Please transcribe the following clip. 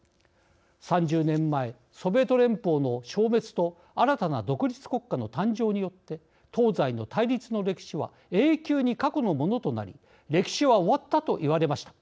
３０年前、ソビエト連邦の消滅と新たな独立国家の誕生によって東西の対立の歴史は永久に過去のものとなり歴史は終わったといわれました。